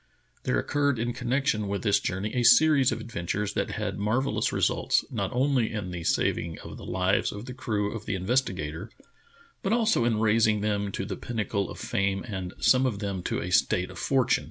There occurred in connection with this jour ney a series of adventures that had marvellous results, not only in the saving of the lives of the crew of the Investigatory but also in raising them to the pinnacle of fame and some of them to a state of fortune.